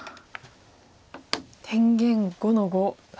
天元５の五。